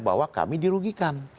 bahwa kami dirugikan